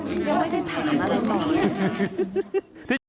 ยังไม่ได้ถามอะไรต่อเลย